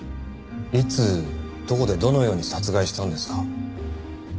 いつどこでどのように殺害したんですか？